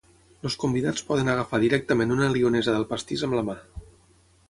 Els convidats poden agafar directament una lionesa del pastís amb la mà.